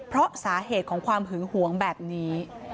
เพราะสาเหตุของความหึงหวงแบบนี้